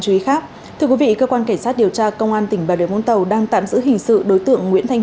cơ quan cảnh sát điều tra công an tỉnh bà đường vũng tàu đang tạm giữ hình sự đối tượng nguyễn thanh